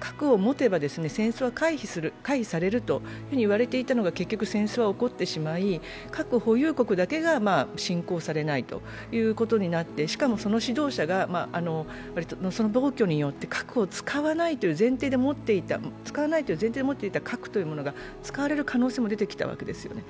核を持てば戦争は回避する回避されると言われていたのが結局、戦争は起こってしまい、核保有国だけが侵攻されないということになって、しかもその指導者が、その暴挙によって、使わないという前提で持っていた核というものが使われる可能性も出てきたわけですよね。